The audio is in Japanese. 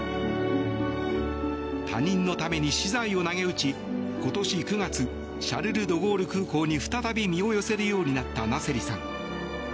他人のために資材を投げ打ち今年９月シャルル・ドゴール空港に再び身を寄せるようになったナセリさん。